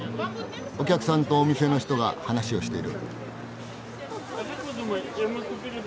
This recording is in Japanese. お客さんとお店の人が話をしている。